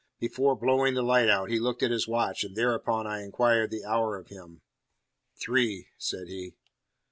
Before blowing the light out he looked at his watch, and thereupon I inquired the hour of him. "Three," said he.